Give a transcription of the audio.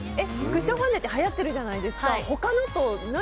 クッションファンデってはやってるじゃないですか。